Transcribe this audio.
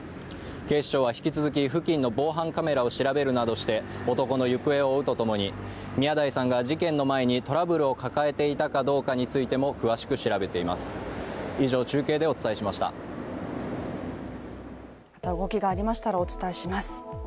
警視庁は引き続き、付近の防犯カメラを調べるなどして男の行方を追うとともに宮台さんが事件の前にトラブルを抱えていたかどうかについても詳しく調べています。